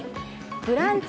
「ブランチ」